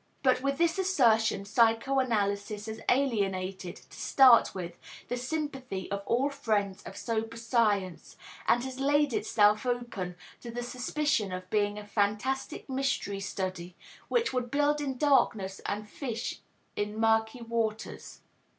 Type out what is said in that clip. But with this assertion psychoanalysis has alienated, to start with, the sympathy of all friends of sober science, and has laid itself open to the suspicion of being a fantastic mystery study which would build in darkness and fish in murky waters.